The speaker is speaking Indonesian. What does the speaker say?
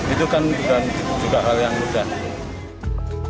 itu kan juga hal yang mudah